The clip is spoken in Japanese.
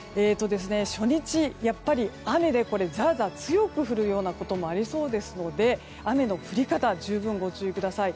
初日、やっぱり雨でザーザー強く降ることもありそうですので雨の降り方十分ご注意ください。